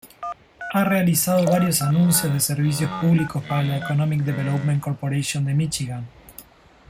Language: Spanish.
Ha realizado varios anuncios de servicios públicos para la Economic Development Corporation de Michigan.